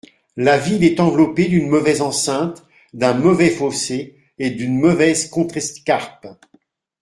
La ville est enveloppée d'une mauvaise enceinte, d'un mauvais fossé et d'une mauvaise contrescarpe.